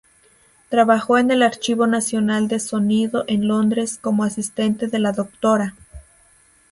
Trabajó en el Archivo Nacional de Sonido en Londres como asistente de la Dra.